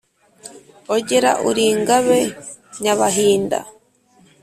Ogera uri ingabe Nyabahinda!